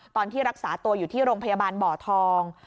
ตอนที่รักษาตัวอยู่ที่โรงพยาบาลบ่อทอง